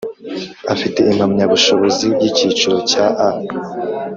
afite impamyabushobozi yikiciro cya A